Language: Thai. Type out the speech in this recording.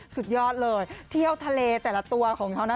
สุดยอดเลยเที่ยวทะเลแต่ละตัวของเขานะ